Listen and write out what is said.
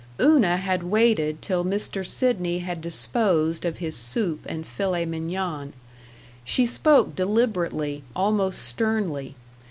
Una had waited till Mr. Sidney had disposed of his soup and filet mignon. She spoke deliberately, almost sternly.